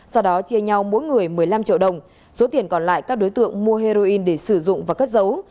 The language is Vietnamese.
sau đó chia nhau mỗi người một mươi năm triệu đồng số tiền còn lại các đối tượng mua heroin để sử dụng và cất dấu